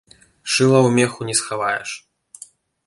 Шыла ў меху не схаваеш.